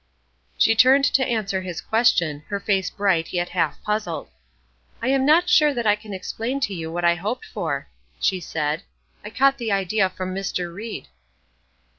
She turned to answer his question; her face bright, yet half puzzled: "I am not sure that I can explain to you what I hoped for," she said; "I caught the idea from Mr. Ried."